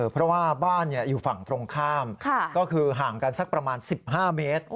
เพราะว่าบ้านอยู่ฝั่งตรงข้ามก็คือห่างกันสักประมาณ๑๕เมตร